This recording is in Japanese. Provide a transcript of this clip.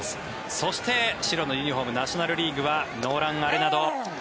そして、白のユニホームナショナル・リーグはノーラン・アレナド。